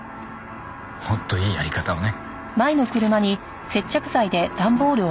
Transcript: もっといいやり方をね。